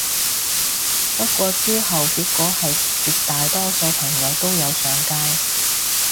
不過之後結果係絕大多數朋友都有上街